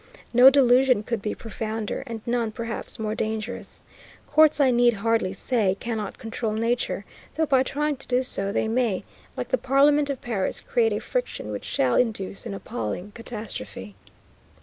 No delusion could be profounder and none, perhaps, more dangerous. Courts, I need hardly say, cannot control nature, though by trying to do so they may, like the Parliament of Paris, create a friction which shall induce an appalling catastrophe.